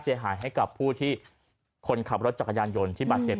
เสียหายให้กับผู้ที่คนขับรถจักรยานยนต์ที่บาดเจ็บ